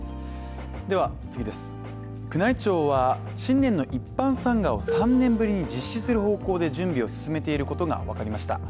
宮内庁は新年の一般参賀を３年ぶりに実施する方向で準備を進めていることが分かりました。